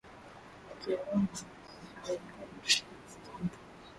kilimo na ushughulikiaji wa kinyesi cha binadamu